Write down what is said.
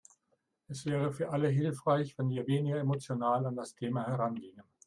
Es wäre für alle hilfreich, wenn wir weniger emotional an das Thema herangingen.